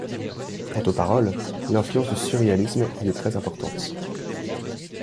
Quant aux paroles, l'influence du surréalisme y est très importante.